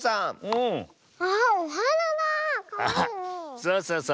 そうそうそう。